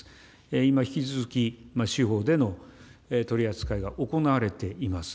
今、引き続き、司法での取り扱いが行われています。